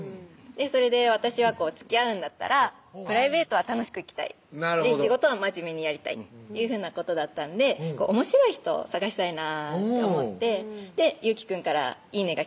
それで私はつきあうんだったらプライベートは楽しくいきたい仕事は真面目にやりたいっていうふうなことだったんでおもしろい人を探したいなって思って祐樹くんからいいねが来たんですよ